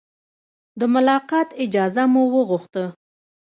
د ملاقات اجازه مو وغوښته.